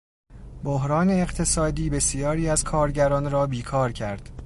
بحران اقتصادی بسیاری از کارگران را بیکار کرد.